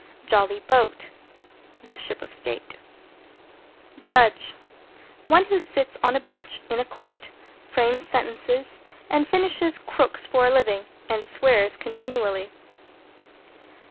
=JOLLY BOAT= The Ship of State. =JUDGE= One who sits on a bench in a court, frames sentences and finishes crooks for a living, and swears continually.